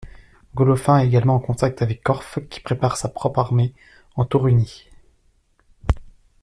Golophin est également en contact avec Corfe, qui prépare sa propre armée en Torunnie.